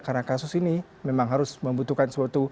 karena kasus ini memang harus membutuhkan